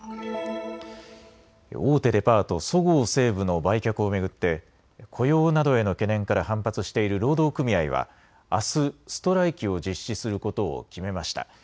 大手デパート、そごう・西武の売却を巡って雇用などへの懸念から反発している労働組合はあすストライキを実施することを決めました。